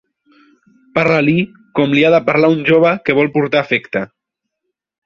Parla-li com li ha de parlar un jove que vol portar afecte